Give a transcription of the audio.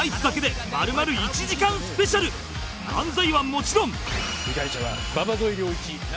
漫才はもちろん